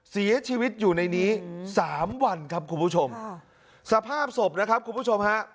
เสียชีวิตอยู่ในนี้สามวันครับคุณผู้ชมสภาพศพนะครับคุณผู้ชมฮะ